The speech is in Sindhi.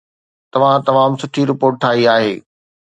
توهان تمام سٺي رپورٽ ٺاهي آهي